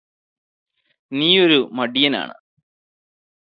നീയൊരു മടിയനാണ്